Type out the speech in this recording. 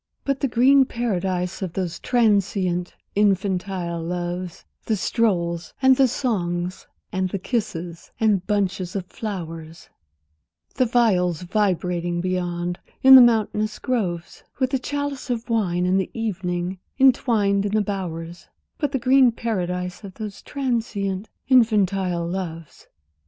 But the green paradise of those transient infantile loves, The strolls, and the songs, and the kisses, and bunches of flowers, The viols vibrating beyond, in the mountainous groves, With the chalice of wine and the evening, entwined, in the bowers, But the green paradise of those transient infantile loves.